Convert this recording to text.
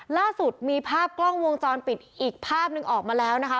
ล่าสุดมีภาพกล้องวงจรปิดอีกภาพหนึ่งออกมาแล้วนะคะ